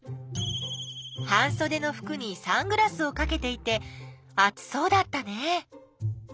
半そでのふくにサングラスをかけていて暑そうだったね。